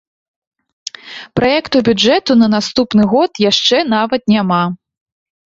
Праекту бюджэту на наступны год яшчэ нават няма.